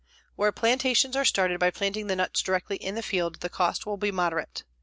Where plantations are started by planting the nuts directly in the field, the cost will be moderate.